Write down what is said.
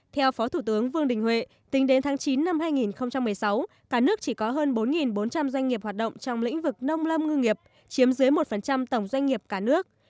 theo phó thủ tướng vương đình huệ tính đến tháng chín năm hai nghìn một mươi sáu cả nước chỉ có hơn bốn bốn trăm linh doanh nghiệp hoạt động trong lĩnh vực nông lâm ngư nghiệp chiếm dưới một tổng doanh nghiệp cả nước